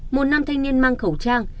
một nam thanh niên mang khẩu trang